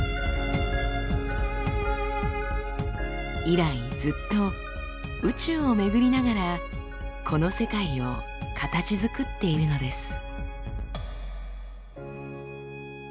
以来ずっと宇宙を巡りながらこの世界を形づくっているのです。